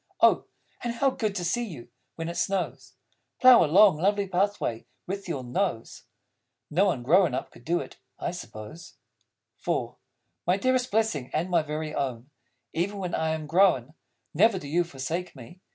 Oh, and how good to see you, when it snows, Plough a long, lovely pathway with your nose! (No one grown up could do it, I suppose.) IV My dearest Blessing and my Very Own, Even when I am grown, Never do you forsake me!